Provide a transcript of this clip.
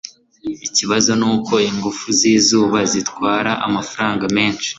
ikibazo nuko ingufu z'izuba zitwara amafaranga menshi